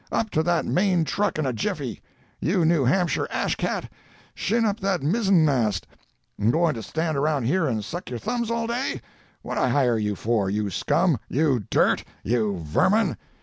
Up to that main truck in a jiffy! You New Hampshire ashcat! shin up that mizzenm'st! Goin' to stand around here and suck your thumbs all day? What'd I hire you for, you scum, you dirt, you vermin!